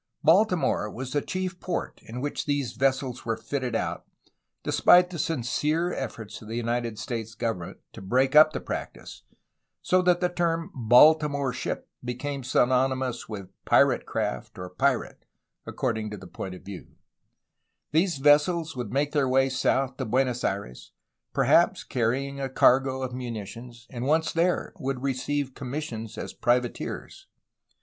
Baltimore was the chief port in which these vessels were fitted out, — despite the sincere efforts of the United States government to break up the practice, — so that the term ' Baltimore ship' became synonymous with ''patriot craft" or ''pirate," according to the point of vi ew These vesse s would make their way south to Buenos Aires, perhaps carrying a cargo of muni tions, and once there would receive commissions as pri vateers.